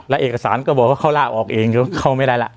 แล้วเอกสารก็บอกว่าเขาล่าออกเองก็เข้าไม่ได้ล่ะ